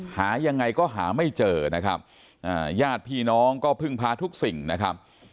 หายังไงก็หาไม่เจอนะครับญาติพี่น้องก็พึ่งพาทุกสิ่งนะครับ